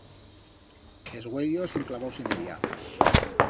Es uellos enclavaus en ella.